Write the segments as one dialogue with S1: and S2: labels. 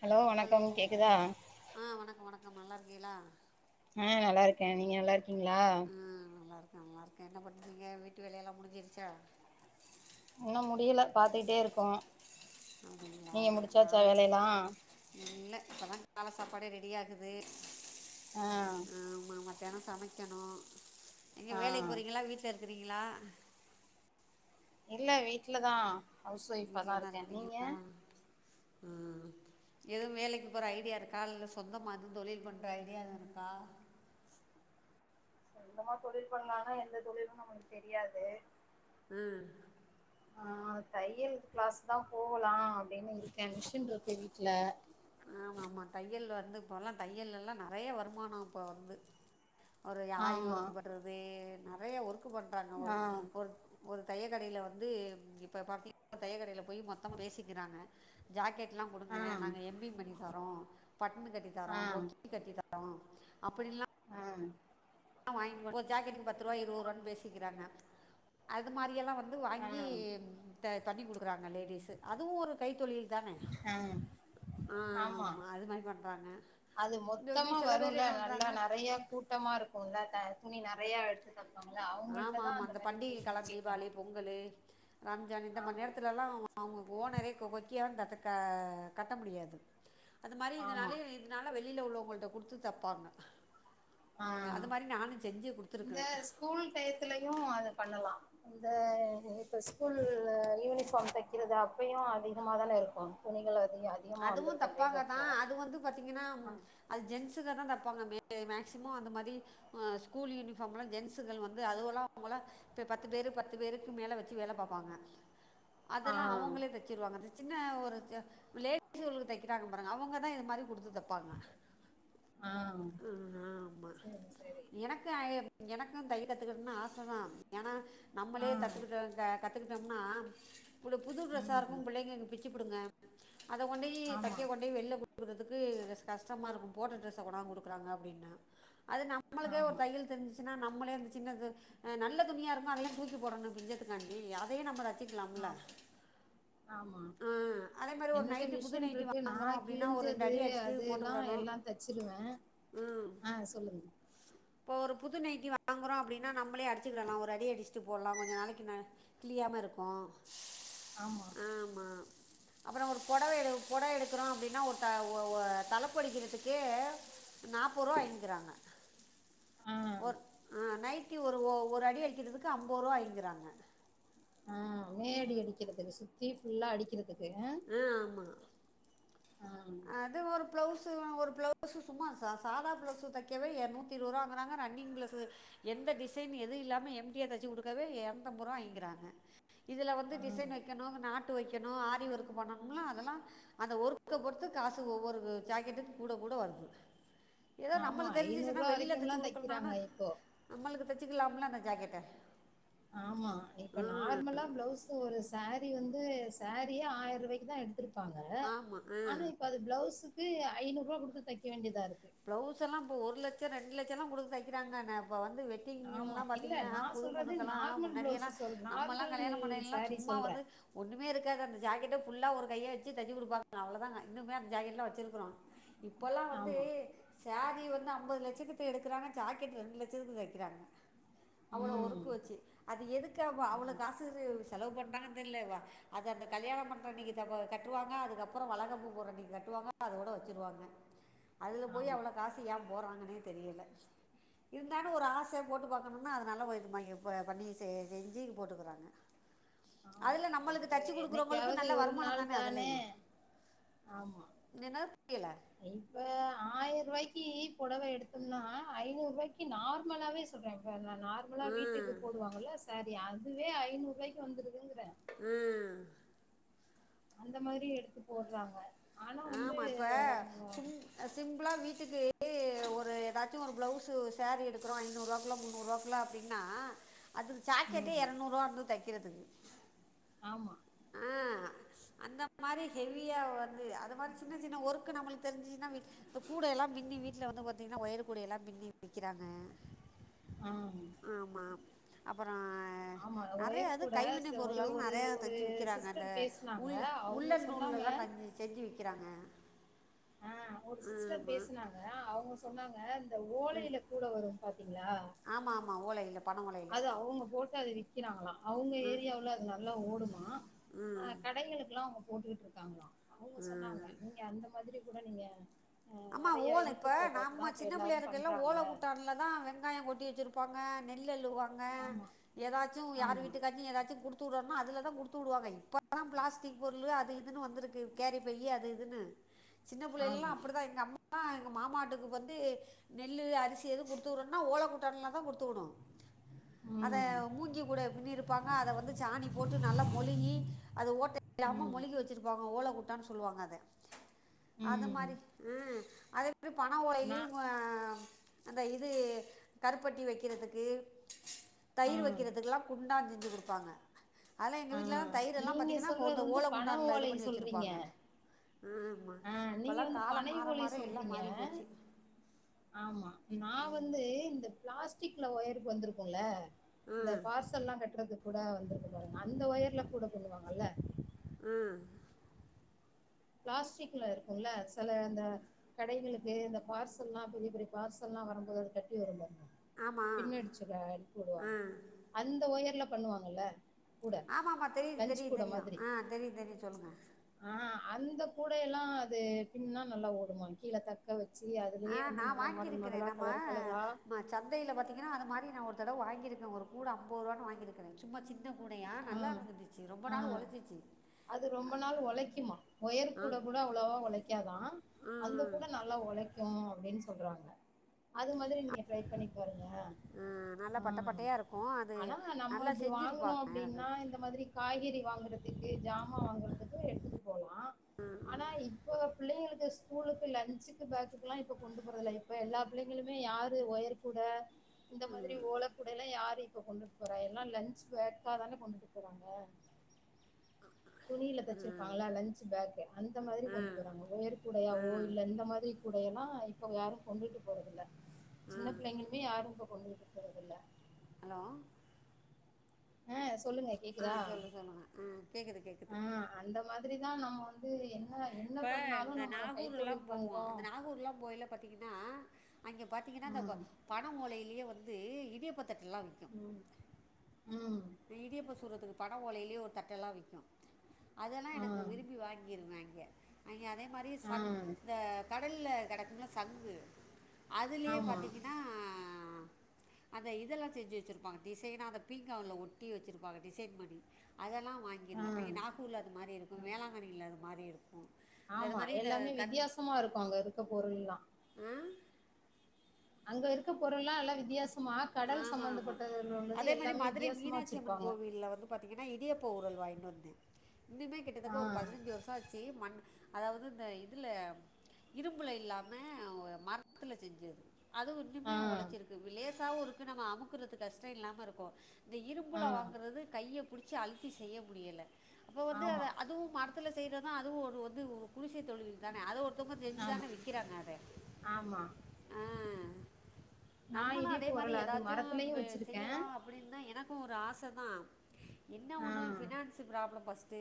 S1: Hello வணக்கம் கேக்குதா
S2: ஆ வணக்கம் வணக்கம் நல்லா இருக்கேளா
S1: ஆ நல்லா இருக்கே நீங்க நல்லா இருக்கீங்களா
S2: ஆ நல்லா இருக்கே நல்லா இருக்கே என்ன பண்றீங்க வீட்டு வேலையெல்லாம் முடிஞ்சிருச்சா
S1: இன்னும் முடியல பாத்துக்கிட்டே இருக்கோ நீங்க முடிச்சாச்சா வேலையெல்லா
S2: இல்ல இப்பதா கால சாப்பாடே ரெடியாகுது
S1: ஆ
S2: ஆமா ஆமா தெனோ சமைக்கணு எங்க
S1: ஆ
S2: வேலைக்கு போறீங்களா வீட்ல இருக்குறீங்களா
S1: இல்ல வீட்ல தா
S2: வீட்ல தா
S1: இருக்கே நீங்க
S2: இருக்குறீங்களா எதும் வேலைக்கு போற ஐடியா இருக்கா இல்ல சொந்தமா எதும் தொழில் பண்ற ஐடியா எது இருக்கா
S1: சொந்தமா தொழில் பண்லான்னா எந்த தொழிலு நம்மளுக்கு தெரியாது
S2: ம்
S1: ஆ தையல் கிளாஸ் தா போலா அப்டின்னு இருக்க மிஷின் இருக்கு வீட்ல
S2: ஆமா ஆமா தையல் வந்து இப்போல்லா தையல்லலா நறைய வருமானோ இப்போ வந்து ஒரு ஆரி
S1: ஆமா
S2: ஒர்க் பண்றது நறைய ஒர்க்கு பண்றாங்க
S1: ஆ
S2: ஒரு ஒரு தையக்கடைல வந்து இப்ப பாத்தீங்கன்னா தையக்கடையில போயி மொத்தமு பேசிக்கிறாங்க ஜாக்கெட்லா கொடுங்க
S1: ஆ
S2: நாங்க எம்பிங் பண்ணித்தரோ பட்டனு
S1: ஆ
S2: கட்டித்தரோ கொக்கி கட்டித் த ரோ அப்டிலா
S1: ஆ
S2: வாங்கினு வந் ஒரு ஜாக்கெட்டுக்கு பத்துருவா இருரூவானு பேசிக்கிறாங்க அது மாரியெல்லா வந் து
S1: ஆ
S2: வாங்கி த தண்ணி குடுக்குறாங்க லேடிஸ்ஸு அதுவு ஒரு கைத்தொழில் தானே
S1: ஆ ஆமா
S2: ஆமாம் அது மாதிரி பண்ணுறாங்க
S1: அது
S2: இந்த
S1: மொத்தமா
S2: வி- சில பேர்
S1: வருல
S2: என்ன
S1: நல்லா
S2: பண்ணுறாங்க
S1: நறைய கூட் டமா இருக்குல்ல த துணி நெறையா எடுத்துட்டு போயிருப்பாங்கள்ல
S2: ஆமா ஆமா இந்த பண்டிகை காலம் தீபாளி பொங்கலு ரம்ஜானு இந்த மாரி
S1: ஆமா
S2: நேரத்துலலா அவுங்க ஓனரே கொக்கியா கட்டக்க கட்ட முடியாது அது மாரி
S1: ஆமா
S2: இதனாலேயே இதனால வெளியில உள்ளவங்கள்ட்ட குடுத்து தப்பாங்க
S1: ஆ
S2: ம் அது மாரி நானு செஞ்சே
S1: இந்த
S2: குடுத்துருக்கறே
S1: ஸ்கூல் டயத்துலயு அத பண்ணலா இந்த இப்போ ஸ்கூல் யூனிஃபார்ம் தைக்கிறது அப்பயு அதிகமாதான இருக்கு துணிகள் அதிகோ
S2: அதுவு தப்பாங்கதா அது வந்து பாத்தீங்கன்னா அது ஜென்ட்ஸுகதா தப்பாங்க மே மேக்சிமம் அந்த மாதி அ ஸ்கூல் யூனிஃபார்ம்லா ஜென்ஸுகள் வந்து அதுவெல்லா அவுங்களா இப்ப பத்து பேரு பத்து பேருக்கு மேல வெச்சு வேல பாப்பாங்க
S1: ஆ
S2: அதெல்லா அவுங்களே தச்சிருவாங்க அந்த சின்ன ஒரு த லே லு தைக்கிறாங்க பாருங்க அவுங்கதா இத மாரி குடுத்து தப்பாங்க
S1: ஆ
S2: அ ஹா ஆம
S1: சரி சரி
S2: எனக்கு ஆய எனக்கு தைய கத்துக்கடணுனு ஆசதா ஏன்னா
S1: ஆ
S2: நம்மளே கத்துக்கிட்டோ இந்த கத்துக்கிட்டோம்னா புளு புது ட்ரெஸ்ஸா
S1: ம்
S2: இருக்கு புள்ளைங்க இங்க பிச்சுப் புடுங்க அத கொண்டோயி
S1: ஆமா
S2: தைக்க கொண்டோயி வெளில குடுக்குறதுக்கு கஷ்டமா இருக்கு போடுற டிரெஸ்ஸ கொண்டாந்து குடுக்குறாங்க அப்டின்னா அது நம்மளுக்கே ஒரு
S1: ஆமா
S2: தையல் தெரிஞ்சுச்சு நம்மளே அந்த சின்னது நல்ல துணியா இருந்தா அத ஏ தூக்கி போடனு பிஞ்சத்துக்காண்டி அதயே நம்ம
S1: ஆ
S2: வச்சிகுலாம்ல
S1: ஆமா
S2: ஆ அதே மாரி ஒரு
S1: என்னட்ட
S2: நைட்
S1: மிஷின் இருக்கு நா கிழிஞ்சது
S2: அடிச்சுட்டு
S1: அது எல்லா
S2: போட்டுக்கிடணும்
S1: எல்லா தச்சிருவே ஆ சொல்லுங்க
S2: இப்போ ஒரு புது நைட்டி வாங்குறோ அப்டின்னா நம்மளே அடிச்சுக்கிடலா ஒரு அடி அடிச்சிட்டு போடலா கொஞ்ச நாளைக்கு ந கிளியாம இருக்கு
S1: ஆமா
S2: ஆமா அப்புற ஒரு பொடவை எடு பொடவை எடுக்கிறோ அப்டின்னா ஒரு த ஒ ஒ தலைப்படிக்கிறதுக்கு நாப்பருவா வாங்கிக்கிறாங்க
S1: ஆ
S2: ஒர் ஆஹ்ன் நைட்டி ஒ ஒரு அடி அடிக்கிறதுக்கு அம்பது ரூவா வாங்கிறாங்க
S1: ஆ மே அடி அடிக்கிறதுக்கு சுத்தி ஃபுல்லா அடிக்கிறதுக்கு அ
S2: ஆ ஆமா
S1: ஆ
S2: ப்ளவுஸ்ஸு ஒரு ப்ளவுஸ்ஸு சும்மா சாதா ப்ளவுஸு தைக்கவே இரனூத்தி இருவதுரூவாங்குறாங்க ரன்னிங் ப்ளவுஸ்ஸு எந்த டிசைன் எதுவு இல்லாமயே எம்டியா தச்சு குடுக்கவே இரணூத்து அம்பதுரூவா வாங்கிகுறாங்க இதுல வந்து
S1: ஆ
S2: டிசைன் வைக் க்கணு நாட்டு வைக்கணு ஆரி ஒர்க் பண்ணணும்ல அதெல்லா அந்த ஒர்க்க பொறுத்து காசு ஒவ்வொரு ஜாக்கெட்டுக்கு கூட கூட வருது எதோ
S1: ஆமா
S2: நம்மளுக்கு
S1: ஐநூறு
S2: தெரிஞ்சிச்சுன்னா
S1: ரூபா
S2: வெளில
S1: வரைக்கும்லா
S2: தைச்சு குடுக்குலனாலு
S1: தைக்கிறாங்க இப்போ
S2: நம்முளுக்கு தச்சுக்கலாம்ல அந்த ஜாக்கெட்ட
S1: ஆமா இப்ப நார்மலா பிளவுஸ் ஒரு சாரீ வந்து சாரீயே ஆயரூவாய்க்கு தா எடுத்துருப்பாங்க
S2: ஆமாம் ஆ
S1: ஆனா இப்ப அது பிளவுஸுக்கு ஐநூரூவா குடுத்து தைக்க வேண்டியதா இருக்கு
S2: பிளவுஸ் எல்லா இப்போ ஒரு லட்சோ ரெண்டு லட்சோலா குடுத்து தைக்கிறாங்க நா இப்ப வந்து வெ
S1: ஆமா
S2: ட்டிங்கலா
S1: இல்ல
S2: பாத்தீங்கன்னா
S1: நா
S2: புது
S1: சொல்றது
S2: பொண்ணுக்கெல்லா
S1: நார்மல் பிளவுஸ்
S2: முன்னாடியெல்லா
S1: சொல்
S2: நம்மல்லா
S1: நார்மல்
S2: கல்யாணம் பண்ணையலா
S1: சாரீ
S2: சும்மா
S1: சொல்றே
S2: வந்து ஒன்னுமே இருக்காது அந்த ஜாக்கெட்ட ஃபுல்லா ஒரு கைய வச்சு தைச்சு குடுப்பாங்க அவ்ளோ தாங்க இன்னுமே அந்த ஜக்கெட்லா வச்சுருக்குறோ இப்பல்லா வந்து
S1: ஆமா
S2: சாரீ வந்து அம்பது லட்சத்துக்கு எடுக்குறாங்க ஜாக்கெட் ரெண்டு லட்சத்துக்கு தைக்கிறாங்க அவ்ளோ
S1: ம்
S2: வொர்க்கு வச்சு அது எதுக்கு
S1: ஆமா
S2: அவ்ளோ காசு செலவு பண்றாங்கனு தெர்ல அது அந்த கல்யாணோ பண்ற அன்னிக்கி கட்டுவாங்க அதுக்கப்றோ வளகாப்பு போடுற அன்னிக்கி கட்டுவாங்க அதோட வச்சிருவாங்க போயி
S1: ஆமா
S2: அவ்ளோ காசு ஏ போடுறாங்கனே தெரியல இருந்தாலு ஒரு ஆச போட்டு பாக்கணுனு அதுனால ப ப பண்ணி செ செஞ்சு போட்டுக்குறாங்க
S1: ஆமா அது
S2: கொடுக்குறவங்களுக்கு
S1: என்னிக்காவது
S2: நல்ல
S1: ஒரு
S2: வருமானம்
S1: நாள் தானே ஆமா
S2: இது என்னது புரியல்ல
S1: இப்ப ஆ பாய்க்கி பொடவ எடுத்தோம்னா ஐநூரூவாய்க்கி நார்மலாவே சொல்றே இப்ப நார்மலா
S2: ஆ
S1: வீட்டுக்கு போடுவாங்கல்ல சாரி அதுவே ஐநூரூவாய்க்கு வந்துருதுங்குறே
S2: ம்
S1: அந்த மாரி எடுத்து போட்றாங்க
S2: ஆமா இப்ப சிம்பிளா வீட்டுக்கு ஒரு எதாச்சு ஒரு பிளவுஸு சாரி எடுக்குறோ ஐநூரூவாக்குல முன்னூரூவாக்குல அப்டினா அதுக்கு சாக்கெட்டே
S1: ம்
S2: இரநூரூவா வந்துரு தைக்கிறதுக்கு
S1: ஆமா
S2: ஆ அந்த மாரி ஹெவியா வந்து அது மாரி சின்ன சின்ன ஒர்க்கு நம்முளுக்கு தெரிஞ்சுனா இப்ப கூடை எல்லா பின்னி வீட்ல வந்து பாத்தீங்கனா ஒயரு கூடை எல்லா பின்னி விக்கிறாங்க
S1: ஆ
S2: ஆமா அப்பறோ
S1: ஆமா
S2: நெறைய
S1: ஒயர்
S2: அது
S1: கூட
S2: கைவினை
S1: ச-
S2: பொருள்
S1: ஒரு
S2: எல்லா
S1: ஒரு
S2: நெறைய
S1: ஒரு
S2: தெஞ்சு விக் விக்கிறாங்க அந்த
S1: சிஸ்டர் பேசுனாங்க
S2: உள்
S1: அவங்க
S2: உள்ளன் நூல்
S1: சொன்னாங்க
S2: எல்லா தை செஞ்சு விக்கிறாங்க
S1: ஆ ஒரு சிஸ்டர் பேசுனாங்க அவங்க சொன்னாங்க அந்த ஓலையில கூட வரும் பாத்தீங்களா
S2: ஆமா ஆமா ஓல இல
S1: அது அவுங்க போட்டாங்கடி விக்கிறாங்களா அவுங்க ஏரியாவுல அது நல்லா ஓடுமா அ கடைகளுக்குலா அவுங்க போட்டுக்கிட்டுரு க்காங்களா அவுங்க சொன்னாங்க நீங்க அந்த மாதிரி கூட நீங்க
S2: அம்மா
S1: நெறைய
S2: ஓல இப்ப
S1: யூடியூப்ல பாத்துதா
S2: நாம்ம
S1: இப்ப
S2: சின்ன பிள்ளையா
S1: எல்லாரு
S2: இருக்கைல
S1: பண்றாங்க
S2: ஓல கூட்டான்ல அங்க தா வெங்காய கொட்டி வச்சிருப்பாங்க நெல் அல்லுவாங்க
S1: ஆமா
S2: ங்க எதாச்சு யார்
S1: ஆமா
S2: வீட்டுக்காச்சு எதாச்சு குடுத் டுத்து விடறதா இருந்தா அதுல தா குடுத்து விடுவாங்க இப்பதா பிளாஸ்டிக் பொருளு அது இதுனு வந்துருக்கு கேரி பையி அது இதுனு
S1: [unintelligible]
S2: சின்ன பிள்ளைலலா
S1: ஆமா
S2: அப்டி தா எங்க அம்மா எங்க மாமா வீட்டுக்கு வந்து நெல்லு அரிசி எதுவு குடுத்துவிடனுனா ஓல குட்டான்லதா குடுத்துவிடு அத
S1: ம்
S2: மூங்கி கூட பிண்ணிருப்பாங்க அத வந்து சாணி போட்டு நல்லா மொழுகி அது ஓட்ட இல்லாம
S1: ம்
S2: மொழுகி வச்சிருப்பாங்க ஓல கு டானு சொல்லுவாங்க அத அது
S1: ம்
S2: மாரி அத இது பண
S1: நா
S2: ஓலயிலயு ஆ அதா இது கருப்பட்டி வைக்கிறதுக்கு
S1: ஆ
S2: தயிர் வைக்கிறதுக்குலா குண்டா செஞ்சு குடுப்பாங்க அதுலா எங்க
S1: ஆ
S2: வீட்லலா தயிர் எல்லா
S1: நீங்க
S2: பாத்தீங்கன்னா இப்போ
S1: சொல்றது
S2: ஒருத்த
S1: வந்து பண
S2: ஓலக்குண்டான்ல இது
S1: ஓலை
S2: பண்ணி
S1: சொல்றீங்க
S2: வச்சுருப்பாங்க ஆமா
S1: ஆ நீங்க
S2: இப்பல்லா
S1: வந்து
S2: கால
S1: பனை
S2: மாற
S1: ஓலை
S2: மாற எல்லா
S1: சொல்றீங்க
S2: மாறி போச்சு
S1: ஆமா நா வந்து இந்த பிளாஸ்டிக்ல ஒயருக்கு வந்திருக்குல்ல இந்த பார்சல்லா கட்டுறது கூட வந்திருக்கு பாருங்க அந்த ஒயர்ல கூட பின்னுவாங்கல்ல
S2: ம்
S1: பிளாஸ்டிக்ல இருக்குல்ல சில அந்த கடைகளுக்கு இந்த பார்சல்லா பெரிய பெரிய பார்சல்லா வரும்போது அது கட்டி வரும்பாருங்க
S2: ஆமாம்
S1: பின்னடிச்சு அனுப்பி விடுவாங்க அந்த ஒயர்ல பண்ணுவாங்கல்ல கூட
S2: ஆமாமா தெரியு
S1: லன்ச்
S2: தெரியு
S1: கூட
S2: தெரியு
S1: மாதிரி
S2: ஆ தெரியு தெரியு சொல்லுங்க
S1: ஆ அந்த கூடைய எல்லா அது பின்னா நல்லா ஓடுமா கீழே த க்க வச்சு
S2: ஆ
S1: அதுலேயே வந்து நல்லா மாடல் மாடலா கலர் கலரா
S2: சந்தையில பாத்தீங்கன்னா அது மாரி நா ஒரு தடவ வாங்கிருக்கே ஒரு கூட அம்பது ரூபானு வாங்கிரு குற சும்மா சின்ன கூடையா
S1: ஆ
S2: நல்லா இருந்துந்துச்சு ரொம்ப
S1: ஆ
S2: நாள் ஒழசிச்சு
S1: அது ரொம்ப நாள் ஒழைக்குமா ஒயர் கூட கூட அவ்வளவா ஒழைக்காதா அந்த கூட ந ல்லா ஒழைக்கு அப்டின்னு சொல்றாங்க அது மாதிரி நீங்க ட்ரை பண்ணி பாருங்க
S2: ஆ, நல்லா
S1: ஆ
S2: பட்டை பட்டையாக இருக்கும் அது
S1: ஆனா நம்ம
S2: நல்லா
S1: இப்டி வாங்கணு
S2: செஞ்சுருப்பாங்க எனக்கு
S1: அப்டின்னா இந்த மாதிரி காய்கறி வாங்குறதுக்கு ஜாமா வாங்குறதுக்கு எடுத்துட்டு போலா ஆனா இப்போ பிள்ளைங்களுக்கு ஸ்கூலுக்கு லஞ்சுக்கு பேக்குக்குல்லா இப்பொ கொண்டு போறதுல இப்ப எல்லா பிள்ளைங்களுமே யாரு வயர் கூட இந்த மாதிரி ஓல கூட எல்லா யாரு இப்ப கொண்டுட்டு போறா எல்லா லஞ்சு பாக்காதானே கொண்டுட்டு போறாங்க துணியில தச்சிருப்பாங்களா லன்சு பேக்கு அந்த மாதிரி கொண்டு போறாங்க ஒயர் கூடையாவோ இல்ல இந்த மாதிரி கூடைய எல்லா இப்ப யாரு கொண்டுட்டு போறதுல்ல சின்ன பிள்ளைங்களுமே யாரு இப்ப கொண்டுட்டு போறதில்ல
S2: ஹலோ
S1: ஆ சொல்லுங்க
S2: ஆ
S1: கேக்குதா
S2: சொல்லு சொல்லுங்க ஆ கேக்குது கேக்குது
S1: ஆ அந்த மாதிரிதா நம்ம வந்து என்ன என்
S2: இப்ப இந்த நாகூர் எல்லா போவோ அந்த நாகூர் எல்லா போயில பாத்தீங்கன்னா அங்கே பாத்தீங்கன்னா நம்ப
S1: ம்
S2: பன ஒலையிலேயே வந்து இடியாப்ப தட்டுல்லா
S1: ம் ம்
S2: இடியப்ப சுற்றதுக்கு பன ஓலையிலயே ஒரு தட்டெல்லா விக்கு அதெல்லா
S1: ஆ
S2: எனக்கு விரும்பி வாங்கிருந்தாங்க அங்கே அதே மாரி
S1: ஆ
S2: சங் அந்த க டல்ல கெடைக்கும்ல சங்கு அதுலயே
S1: ஆமா
S2: பாத்தீங்கன் நா அந்த இதெல்லா செஞ்சு வெச்சுருப்பாங்க டிசைனா அத பீங்காவுல ஒ ட்டி வெச்சருப்பாங்க டிசைன் பண்ணி அதெல்லா
S1: ஆ
S2: வாங்கிடுவே அங்கே நாகூர்ல அது மாரி இருக்கு வேளாங்கண்ணில அது மாரி இருக்கு
S1: ஆமா எல்லாமே வித்தியாசமா இருக்கு அங்க இருக்க பொருள்ல்லா
S2: அ
S1: அங்க இருக்க பொருள்ல்லா எல்லா வித்தியாசமா கடல்
S2: ஆமாம் ஆமாம்
S1: சம்பந்தப்பட்டதுனொன்னது
S2: அதே
S1: எல்லாமே வித்தியாசமா வச்சிருப்பாங்க
S2: பாத்தீங்கன்னா இடியாப்ப உரல் வாங்கினு வந்தே இன்னுமே கிட்டத்தக்க
S1: ஆ
S2: ஒரு பதினஞ்சு வருஷோ ஆச்சு மண் அதாவது இந்த இதுல இரும்புல இல்லாம மரத்துல செஞ்சது அது ஒண்ணுமே
S1: ஆ
S2: ஒழச்சிருக்கு லேசாவு இருக்கு நம்ம அமுக்குறது கஷ்டொ இல்லாம இருக்கு இந்த
S1: ஆ
S2: இரும்புல வாங்குறது கைய புடிச்சி அழுத்தி செய்ய முடியல அப்போ வந்து
S1: ஆமா
S2: அத அதுவு மர் த்துல செய்றதா அதுவு ஒரு வந்து ஒ குடிசை தொழில் தானே அது ஒருத்தங்க
S1: ஆமா
S2: செஞ்சுதானே விக்கிறாங்க அத
S1: ஆமா
S2: ஆ
S1: நா
S2: நம்மளும் அதே
S1: இடியப்ப ஒரல் அது மரத்துலயு வச்சிருக்கே
S2: அப்டின் தா எனக்கு ஒரு ஆச தா என்ன
S1: ஆ
S2: ஒண்ணு ஃபினான்சியல் பிராப்ளம் ஃபஸ்ட்டு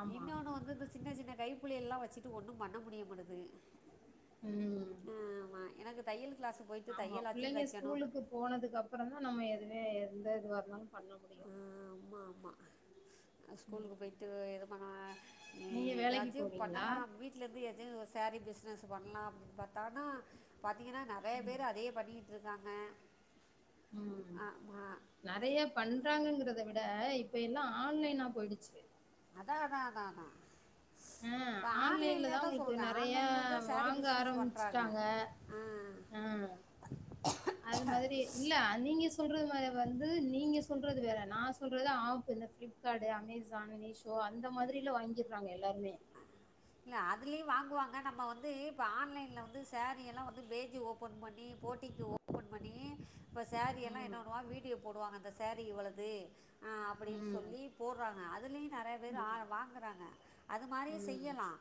S1: ஆமா
S2: இன்னொன்னு வந்து இந்த சின்ன சின்ன கைப்புள்ளையெல்லா வச்சுட்டு ஒண்ணு பண்ண முடியமாட்டுது
S1: ம்
S2: ஆமா எனக்கு தையல் கிளாஸு போயிட்டு தையலாச்சு தைக்
S1: கூலுக்கு போனதுக்கு அப்பறந்தா நம்ம எதுமே எந்த இதுவா இருந்தாலு பண்ண முடியு
S2: ம் ஆம்மா ஆம்மா அ ஸ்கூலுக்கு
S1: ம்
S2: போய்ட்டு எது பண்ண ஏ
S1: நீங்க வேலைக்கு
S2: ஏதாச்சு
S1: போவீங்களா
S2: பண்ணலா அப்டி ட்லந்து எதுயு சாரி பிசினஸ் பண்லா அப்டின் பாத் ஆனா பாத்திங்கன்னா நெறைய பேர் அதே பண்ணி இருக்காங்க
S1: ம்
S2: ஆமாம்
S1: நெறைய பண்றாங்கங்கறதவிட இப்ப எல்லா ஆன்லைனா போயிடுச்சு
S2: அதா அதா அதா அதா
S1: ம் ஆன்லைன்ல தான் உங்களுக்கு
S2: சொல்கிறேன்
S1: நெறைய
S2: ஆன்லைன்லேயே தான்
S1: வாங்க
S2: பிஸ்னஸ்
S1: ஆரம்பிச்சிட்டாங்க
S2: பண்ணுறாங்க
S1: ஆ [inaudible] அது மாதிரி இல்ல நீங்க சொல்றது மாரி வந்து நீங்க சொல்றது வேற நான் சொல்றத ஆப் இந்த ஃப்ளிப் கார்டு அமேசான் மீஷோ அந்த மாதிரியில வாங்கிறாங்க எல்லாருமே
S2: இல்ல அதுலயும் வாங்குவாங்க நம்ம வந்து இப்போ ஆன்லைன்ல வந்து சேரீ எல்லாம் வந்து பேஜ்ஜி ஓ பன் பண்ணி போட்டிக்குவோ
S1: [inaudible]
S2: இப்ப சேரியெல்லாம் என்ன
S1: ம்
S2: பண்ணுவான் வீடியோ போடுவாங்க அந்த சேரீ இவ்வளது அப்படின்னு
S1: ம்
S2: சொல்லி அ போடுறாங்க அதுலேயும் நெறையா பேர்
S1: ம்
S2: ஆ வாங்குறாங்க அது மாரி
S1: ம்
S2: செய்யலாம்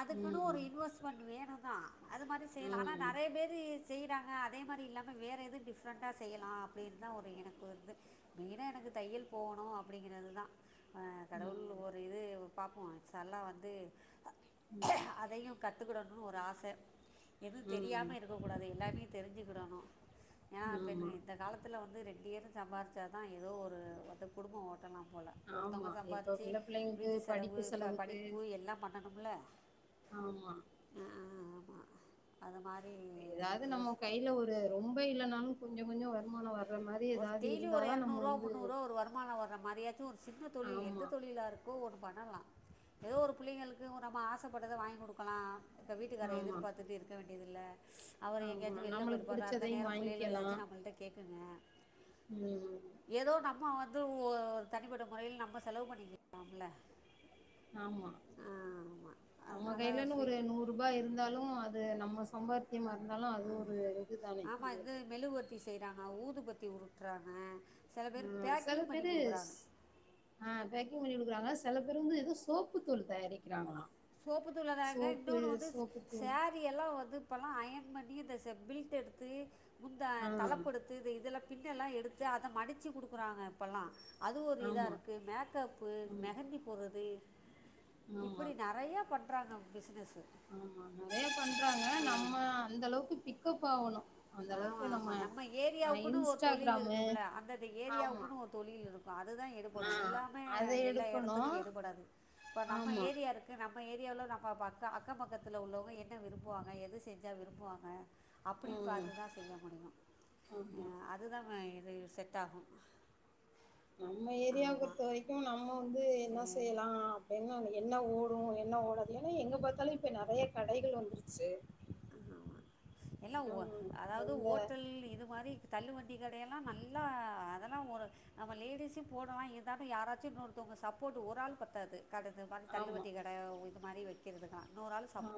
S2: அதுக்குன்னு ஒரு
S1: ம்
S2: இன்வெஸ்மெண்ட் வேணும்தான் அது மாதிரி செய்யலாம் ஆனா
S1: ம்
S2: நெறைய பேரு செய்கிறாங்க அதே மாதிரி இல்லாமல் வேறு எதுவும் டிப்ரெண்ட்டா செய்யலாம் அப்டின்னு தான் ஒரு எனக்கோரு இது மெய்னா எனக்கு தையல் போகணும் அப்டிங்றதுதான்
S1: ம்
S2: கடவுள்
S1: ம்.
S2: ஒரு இது பாப்போம் இன்ஸ்சால்லா வந்து
S1: ம்
S2: அதையும் கத்துக்கிடனும் ஒரு ஆச எது
S1: ம்
S2: தெரியாம இருக் ருக்க கூடாது எல்லாமே தெரிஞ்சுக்கிடணும் ஏனா பெண்
S1: ஆமா
S2: இந்த காலத் துல வந்து ரெண்டுபெரு சம்பாரிச்சா தான் ஏதோ ஒரு வந்து குடும்பம் ஓட்டலாம் போல ஒருத்தங்க
S1: ஆமா இப்ப
S2: சம்பாதிச்சி
S1: உள்ள பிள்ளைங்களுக்கு
S2: வீட்டு செலவு
S1: படிப்பு செலவுக்கு
S2: படிப்பு எல்லாம் பன்
S1: ஆமா
S2: அத மாறி யோசி
S1: அது ரொம்ப இல்லனாலு கொஞ்சோ கொஞ்சோ வருமான வர்
S2: ஒரு டேய்லி ஒரு எறநூறுவா முன்னூறுவா ஒரு வருமான வர்ற மாறியாச்சு ஒரு சின்ன தொழில்
S1: ஆமா
S2: எந்த தொழிலாருக் கு ஒன்னு பண்ணலா ஏதோ ஒரு புள்ளைங்களுக்கு நம்ம ஆசப்பட்டத வாங்கி குடுக்கலா இப்ப வீட்டுக்கார
S1: ஆமா
S2: எதிர்பார்த்துட்டு இருக்க வேண்டியதில்ல அவர்
S1: ஆமா
S2: எங்கயாச்சு வெள்ள
S1: நம்மளுக்கு
S2: போய்ருப்பார் அந்த
S1: புடிச்சதையு
S2: நேரோ புள்ளைள்வோ
S1: வாங்கிக்கலா
S2: ஏதாச்சு நம்மள்ட கேட்குங்க
S1: ம்
S2: ஏதோ நம்ம வந்து ஒ தனிப்பட்ட மொறையில நம்ம செலவு பண்ணிக்கலாம்ல
S1: ஆமா
S2: ஆமாம்
S1: நம்ம
S2: அதனால்
S1: கையிலன்னு
S2: ஸ்வீ
S1: ஒரு நூறு ருபாய் இருந்தாலும் அது நம்ம சம்பாத்தியமா இருந்தாலும் அது ஒரு இது தானே நம்ளுக்கு
S2: குச்சி செய்றாங்க ஊது பத்தி உருட்டுறாங்க சில பேர்
S1: ஆ சில
S2: பேக்கிங் பண்ணி
S1: பேரு
S2: குடுக்குறாங்க
S1: ஆ பேக்கிங் பண்ணி கொடுக்குறாங்க சில பேரு வந்து எதோ சோப்புதூள் தயாரிக்கிறாங்களா
S2: சோப்புத்துள்ளாறாங்க
S1: சோப்பு
S2: இன்னொன்னு வந்து
S1: சோப்பு
S2: சே
S1: தூள்
S2: மாத எல்லாம் வந்து இப்பல்லாம் அயன் பண்ணி பிளிட்டுஎடுத்து
S1: ஆ
S2: [unintelligible] இதல்லாம் பின்னெல்லாம் எடுத்து அத மடிச்சு குடுக்குறாங்க இப்பெல்லாம் அது ஒரு
S1: ஆமா
S2: இதாருக்கு மேக்காப்பு
S1: ஆமா
S2: மெகந்தி போற்றது
S1: ஆமா
S2: இப்படி நெறையா பண்றாங்க பிஸ்னசு
S1: ஆமா நெறயா பண்றாங்க நம்ம அந்த அளவுக்கு பிக்கப் ஆவனு
S2: ஆமா ஆமா நம்ம ஏரியாவுக்குனு ஒரு தொழில்
S1: இன்ஸ்டாகிராமு
S2: இருக்கும்ல அந்தந்த
S1: ஆமா
S2: ஏரியாவுக்குனு ஒரு தொழில் இருக் அது தா எடுபடூ
S1: ஆ
S2: எல்லாமே
S1: அத
S2: எல்லா
S1: எடுக்கணு
S2: எடத்துக்கூ எடுபடாது இப்ப நம்ம
S1: ஆமா
S2: ஏரியா இருக் நம்ம ஏரியாவ்ல நம்ம பக்க அக்கம் பக்கத்துல உள்ளவங்க என்ன விரும்புவாங்க எத செஞ்சா விரும்புவாங்க அப்டி
S1: ம்
S2: பாத்து தா செய்ய முடியும்
S1: ஆமா
S2: ஆ அதுதா இது செட்டாகு
S1: நம்ம ஏரியாவ பொர்த்த
S2: ஆமாம்
S1: வரைக்கூ நம்ம வந்து என்ன
S2: சரி
S1: செய்யலா என்னானு என்ன ஓடூ என்ன ஓடாது ஏனா எங்க பாத்தாலு இப்ப நெறய கடைகள் வந்ருச்சு
S2: எல்லா ஓ அதாவ்து
S1: எந்த
S2: ஓட்டல் இது மாறி தல்லு வண்டி கடையெல்லா நல்லா அதல்லா ஒரு அமா லேடிசியு போடலா எதாவது யாராச்சு ஒர்தவ்ங்க சப்போட் ஒரு ஆள் பத்தாது கட இது மாறி
S1: ஆமா
S2: தள்ளுவண்டி கட இது மாறி வக்கிறதுக்லா இன்னோரு ஆள் சப்
S1: ஆ